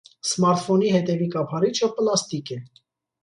Սմարթֆոնի հետևի կափարիչը պլաստիկ է։